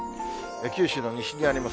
九州の西にあります